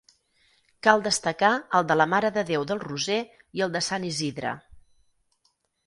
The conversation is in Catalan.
Cal destacar el de la Mare de Déu del Roser i el de Sant Isidre.